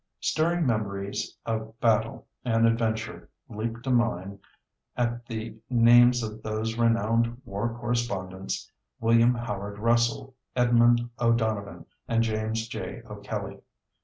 Stirring memories of battle and adventure leap to the mind at the names of those renowned war correspondents, William Howard Russell, Edmond O'Donovan, and James J. O'Kelly.